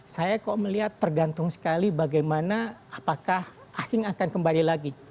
saya kok melihat tergantung sekali bagaimana apakah asing akan kembali lagi